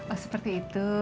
oh seperti itu